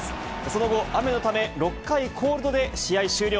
その後、雨のため６回コールドで試合終了。